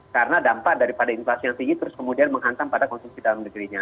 karena dampak daripada inflasi yang tinggi terus kemudian menghantam pada konsumsi dalam negerinya